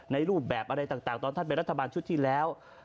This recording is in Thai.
รูปแบบอะไรต่างตอนท่านเป็นรัฐบาลชุดที่แล้ว